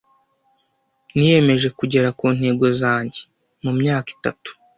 Niyemeje kugera kuntego zanjye mumyaka itatu.